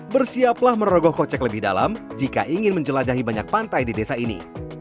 bersiaplah merogoh kocek lebih dalam jika ingin menjelajahi banyak pantai di desa ini